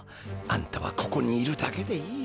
あんたはここにいるだけでいい。